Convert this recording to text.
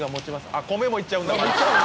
あっ米もいっちゃうんだ。